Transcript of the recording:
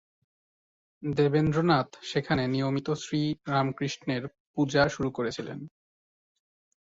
দেবেন্দ্র নাথ সেখানে নিয়মিত শ্রী রামকৃষ্ণের পূজা শুরু করেছিলেন।